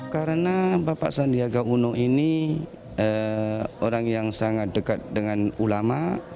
karena bapak sandiaga uno ini orang yang sangat dekat dengan ulama